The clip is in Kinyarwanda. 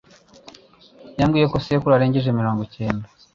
Yambwiye ko sekuru arengeje mirongo cyenda.